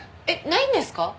えっないんですか？